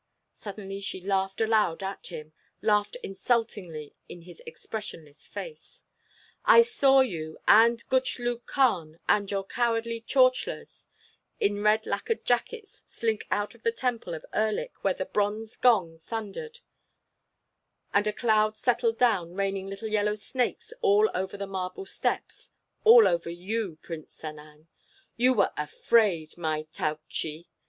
Suddenly she laughed aloud at him—laughed insultingly in his expressionless face: "I saw you and Gutchlug Khan and your cowardly Tchortchas in red lacquered jackets slink out of the Temple of Erlik where the bronze gong thundered and a cloud settled down raining little yellow snakes all over the marble steps—all over you, Prince Sanang! You were afraid, my Tougtchi!